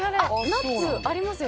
ナッツありますよ